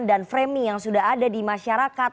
dan framing yang sudah ada di masyarakat